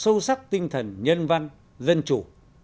thấm nhuận sâu sắc tinh thần nhân văn dân chủ